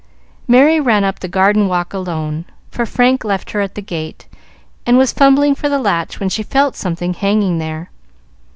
Merry ran up the garden walk alone, for Frank left her at the gate, and was fumbling for the latch when she felt something hanging there.